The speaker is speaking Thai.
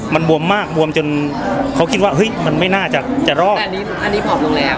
มันบวมมากบวมจนเขาคิดว่าเฮ้ยมันไม่น่าจะจะรอดอันนี้ผอมลงแล้ว